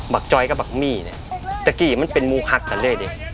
บักจอยกับบักมี่เนี่ยเดี๋ยวเมื่อกี้มันเป็นมูฮักกับเล่เด็ก